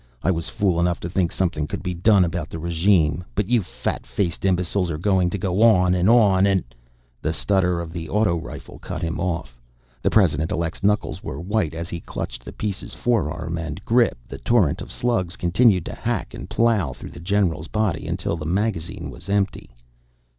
"I was fool enough to think something could be done about the regime. But you fat faced imbeciles are going to go on and on and " The stutter of the auto rifle cut him off. The President Elect's knuckles were white as he clutched the piece's forearm and grip; the torrent of slugs continued to hack and plow the general's body until the magazine was empty.